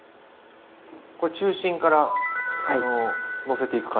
これ中心からのせていく感じなんですね。